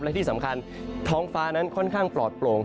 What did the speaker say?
และที่สำคัญท้องฟ้านั้นค่อนข้างปลอดโปร่ง